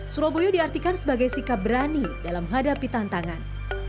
suro boyo diartikan sebagai sikap berani dalam menghadapi tantangan